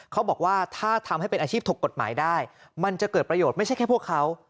เขาบอกว่าถ้าทำให้เป็นอาชีพถูกกฎหมายได้มันจะเกิดประโยชน์ไม่ใช่แค่พวกเขา